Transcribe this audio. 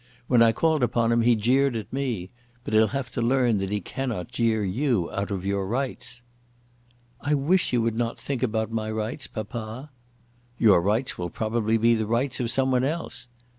When I called upon him he jeered at me. But he'll have to learn that he cannot jeer you out of your rights." "I wish you would not think about my rights, papa." "Your rights will probably be the rights of some one else."